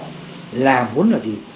nó làm muốn là gì